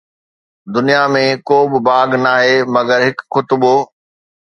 دنيا ۾ ڪو به باغ ناهي مگر هڪ خطبو!